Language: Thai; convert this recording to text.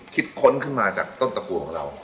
ค้นขึ้นมาจากต้นตะกัวของเรา